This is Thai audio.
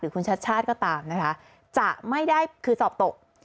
คุณชัดชาติก็ตามนะคะจะไม่ได้คือสอบตก